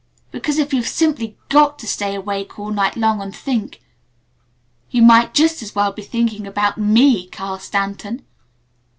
Because if you've simply got to stay awake all night long and think you might just as well be thinking about ME, Carl Stanton.